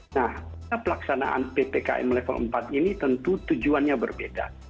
nah pelaksanaan ppkm level empat ini tentu tujuannya berbeda